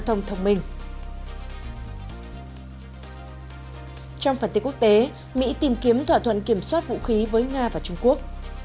trong phần tiết quốc tế mỹ tìm kiếm thỏa thuận kiểm soát vũ khí với nga và trung quốc